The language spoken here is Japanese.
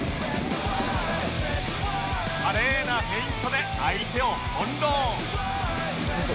華麗なフェイントで相手を翻弄